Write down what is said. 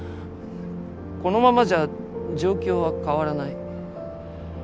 このままじゃ状況は変わらない。